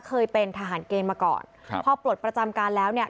เคยเป็นทหารเกณฑ์มาก่อนครับพอปลดประจำการแล้วเนี่ย